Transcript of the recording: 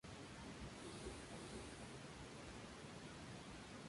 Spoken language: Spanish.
Han sido conocidos por atraer insectos a luces artificiales tarde al anochecer.